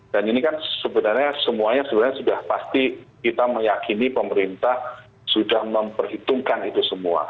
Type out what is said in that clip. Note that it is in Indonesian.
dan ini kan sebenarnya semuanya sudah pasti kita meyakini pemerintah sudah memperhitungkan itu semua